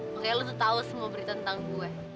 makanya lo tuh tau semua berita tentang gue